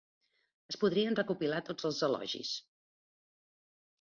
Es podrien recopilar tots els elogis.